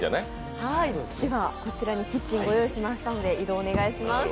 では、こちらにキッチンをご用意しましたので移動お願いします。